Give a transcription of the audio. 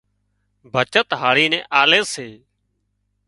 بچت هاۯي نين آلي سي